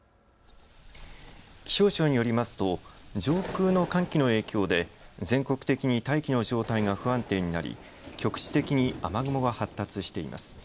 気象庁によりますと上空の寒気の影響で全国的に大気の状態が不安定になり局地的に雨雲が発達しています。